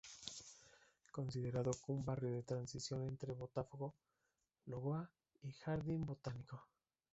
Es considerado un barrio de transición entre Botafogo, Lagoa y Jardim Botânico.